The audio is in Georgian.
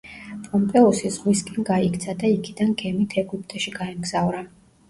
პომპეუსი ზღვისკენ გაიქცა და იქიდან გემით ეგვიპტეში გაემგზავრა.